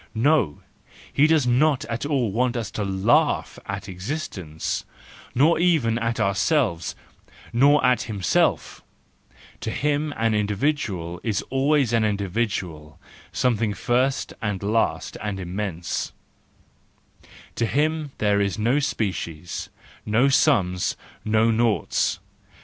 No! he does not at all want us to laugh at existence, nor even at ourselves —nor at himself; to him an individual is always an individual, something first and last and immense, to him there are no species, no sums, no noughts.